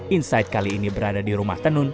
insight kali ini berada di rumah tenun